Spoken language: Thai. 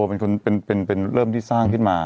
สมเด็จพระพุทธเจ้าโตเป็นคนเริ่มที่สร้างขึ้นมา